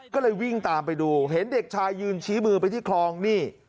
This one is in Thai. ก็เลยวิ่งตามไปดูเห็นเด็กชายยืนชี้มือไปที่คลองนี่